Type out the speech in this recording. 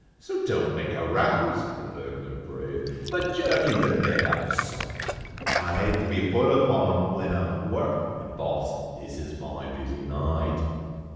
"So don't make a row," said that burglar brave, "But jerk into bed out of sight, I hate to be put upon when I'm at work, An' Boss, this is my busy night!